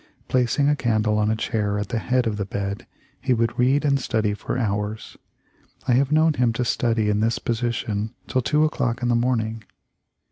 Placing a candle on a chair at the head of the bed, he would read and study for hours. I have known him to study in this position till two o'clock in the morn ing.